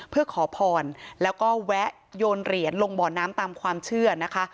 เพื่อขอพรแล้วก็แวะโยนเหรียญลงบ่อน้ำตามความเชื่อนะคะ